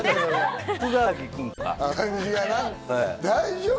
大丈夫。